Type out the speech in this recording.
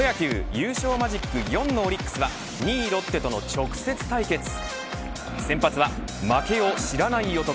優勝マジック４のオリックスは２位ロッテとの直接対決を先発は、負けを知らない男